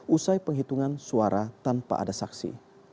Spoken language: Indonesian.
usai penghitungan suara tanpa ada saksi